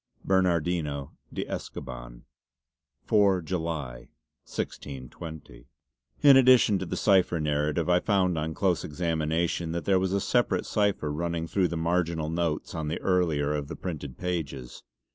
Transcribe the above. "BERNARDINO DE ESCOBAN." "4, July, 1620." In addition to the cipher narrative I found on close examination that there was a separate cipher running through the marginal notes on the earlier of the printed pages.